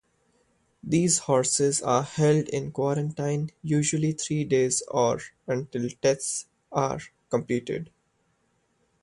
These horses are held in quarantine-usually three days-or until tests are completed.